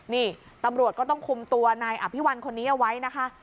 นี่ตำรวจก็ต้องคุมตัวนายอภิวัลคนนี้เอาไว้นะคะ